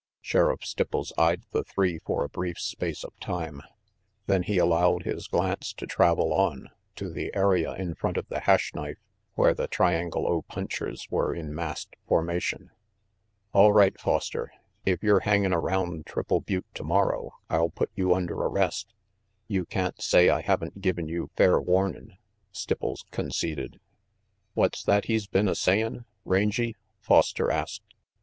Sheriff Stipples eyed the three for a brief space of time; then he allowed his glance to travel on, to the area in front of the Hash Knife where the Triangle O punchers were in massed formation. "All right, Foster, if yer hangin' around Triple RANGY PETE V Butte tomorrow I'll put you under arrest. You can't say I haven't given you fair warnin'," Stipples conceded. "What's that he's been a sayin', Rangy?" Foster asked.